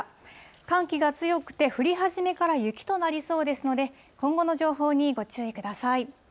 寒気が強くて、降り始めから雪となりそうですので、今後の情報にご注意ください。